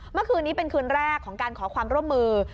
เมื่อคืนนี้เป็นคืนแรกของการขอความร่วมมือ